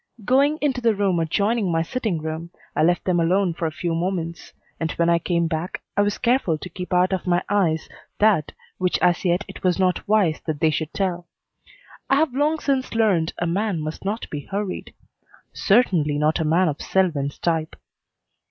Going into the room adjoining my sitting room, I left them alone for a few moments, and when I came back I was careful to keep out of my eyes that which as yet it was not wise that they should tell. I have long since learned a man must not be hurried. Certainly not a man of Selwyn's type.